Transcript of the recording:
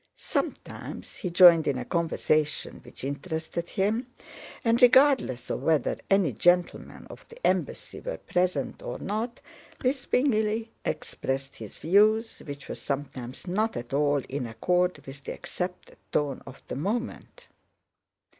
Sometimes he joined in a conversation which interested him and, regardless of whether any "gentlemen of the embassy" were present or not, lispingly expressed his views, which were sometimes not at all in accord with the accepted tone of the moment.